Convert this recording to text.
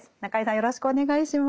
よろしくお願いします。